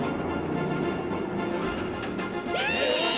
え！？